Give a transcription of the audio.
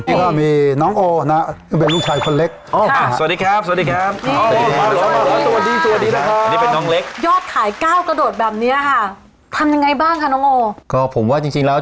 นี่ก็มีน้องโอนะเป็นลูกชายคนเล็กโอ้ค่ะสวัสดีครับสวัสดีครับ